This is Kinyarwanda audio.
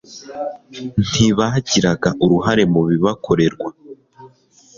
Ntibagiraga uruhare mu bibakorerwa